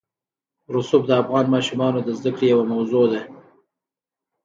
رسوب د افغان ماشومانو د زده کړې یوه موضوع ده.